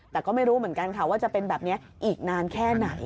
แต่ก็ไม่รู้เหมือนกันค่ะว่าจะเป็นแบบนี้อีกนานแค่ไหน